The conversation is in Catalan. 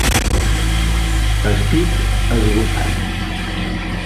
Estic esgotat.